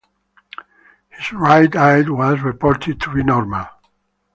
His right eye was reported to be normal.